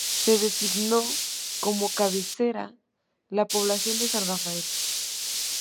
Se designó como cabecera la población de San Rafael.